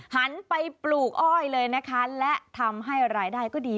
หันไปปลูกอ้อยเลยนะคะและทำให้รายได้ก็ดี